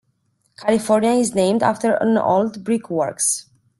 California is named after an old brickworks.